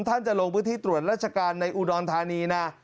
ท่านจะลงพื้นที่ตรวจราชการในอุดรธานีนะ